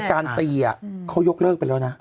แต่ความจริงไอ้การตีเขายกเลิกไปแล้วนะ